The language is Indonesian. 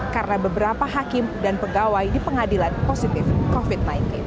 karena beberapa hakim dan pegawai di pengadilan positif covid sembilan belas